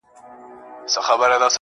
د فاصلو په تول کي دومره پخه سوې يمه~